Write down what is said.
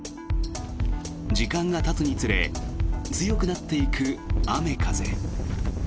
時間がたつにつれ強くなっていく雨風。